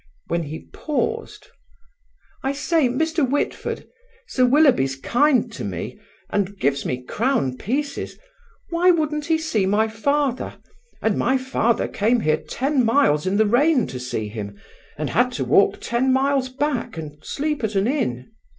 when he paused. "I say, Mr. Whitford, Sir Willoughby's kind to me, and gives me crown pieces, why wouldn't he see my father, and my father came here ten miles in the rain to see him, and had to walk ten miles back, and sleep at an inn?"